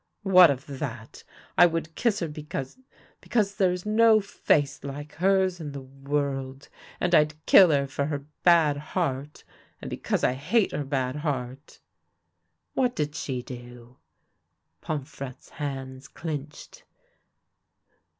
" What of that ? I would kiss her because — because there is no face like hers in the world ; and I'd kill her for her bad heart, and because I hate her bad heart." "What did she do?" Pomfrette's hands clinched.